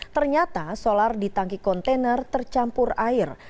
ternyata solar di tangki kontainer tercampur air